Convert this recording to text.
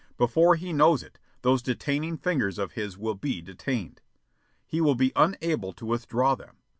Before he knows it, those detaining fingers of his will be detained. He will be unable to withdraw them.